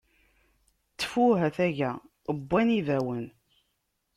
Ttfuh a taga, wwan ibawen!